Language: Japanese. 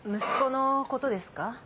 息子のことですか？